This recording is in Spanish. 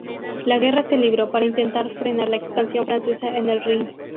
La guerra se libró para intentar frenar la expansión francesa en el Rin.